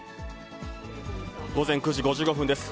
午前９時５５分です。